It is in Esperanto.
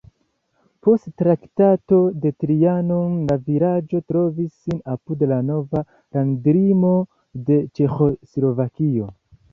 Post Traktato de Trianon la vilaĝo trovis sin apud la nova landlimo de Ĉeĥoslovakio.